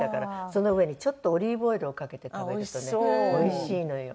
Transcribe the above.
その上にちょっとオリーブオイルをかけて食べるとねおいしいのよ。